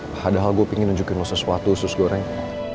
padahal gue pingin nunjukin lo sesuatu susu goreng